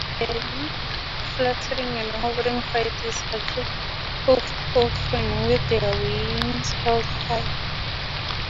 Their unique fluttering and hovering flight is achieved often with their wings held high.